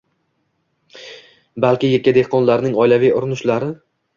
balki yakka dehqonlarning oilaviy urinishlari